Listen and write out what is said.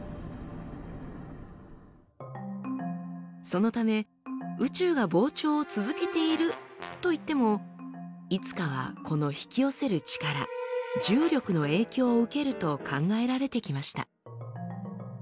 そのため宇宙が膨張を続けているといってもいつかはこの引き寄せる力重力の影響を受けると考えられてきました。